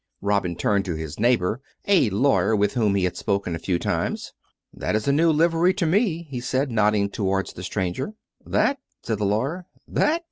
Robin turned to his neighbour — a lawyer with whom he had spoken a few times. " That is a new livery to me," he said, nodding towards the stranger. "That?" said the lawyer. "That?